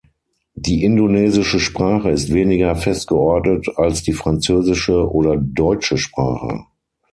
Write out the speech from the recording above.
Die indonesische Sprache ist weniger fest geordnet als die französische oder deutsche Sprache.